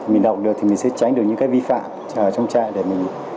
mình đọc được thì mình sẽ tránh được những vi phạm trong trại